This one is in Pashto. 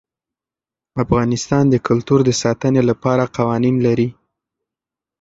افغانستان د کلتور د ساتنې لپاره قوانین لري.